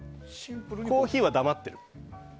コーヒーは黙ってる。